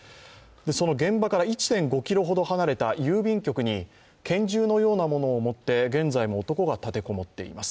その現場から１．５ｋｍほど離れた郵便局に拳銃のようなものを持って現在も男が立て籠もっています。